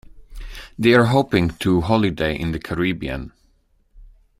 They are hoping to holiday in the Caribbean.